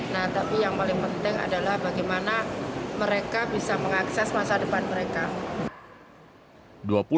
nah tapi yang paling penting adalah bagaimana mereka bisa mengakses masa depan mereka